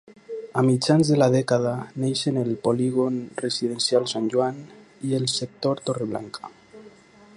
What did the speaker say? A mitjans de la dècada neixen el Polígon Residencial Sant Joan i el sector Torreblanca.